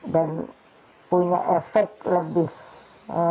dan punya efek lebih besar